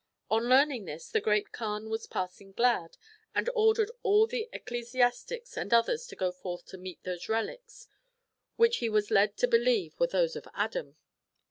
On learning this the Great Kaan was passing glad, and ordered all the ecclesiastics and others to go forth to meet these reliques, which he was led to believe were those of Adam.